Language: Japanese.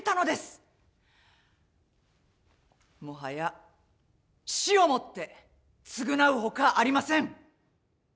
もはや死をもって償うほかありません。